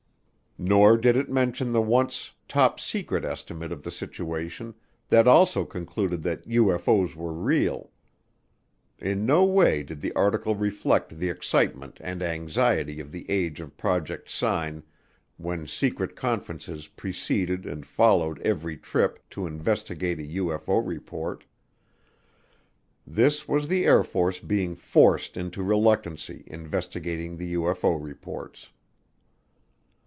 Nor did it mention the once Top Secret Estimate of the Situation that also concluded that UFO's were real. In no way did the article reflect the excitement and anxiety of the age of Project Sign when secret conferences preceded and followed every trip to investigate a UFO report. This was the Air Force being "forced" into reluctantly investigating the UFO reports.